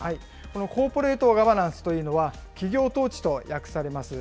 このコーポレートガバナンスというのは、企業統治と訳されます。